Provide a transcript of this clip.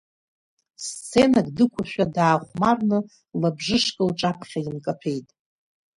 Сценак дықәушәа, даахәмарны, лабжышк лҿаԥхьа инкаҭәеит.